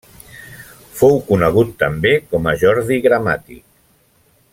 Fou conegut també com a Jordi Gramàtic.